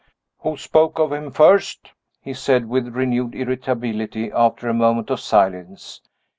Who spoke of him first?" he said, with renewed irritability, after a moment of silence.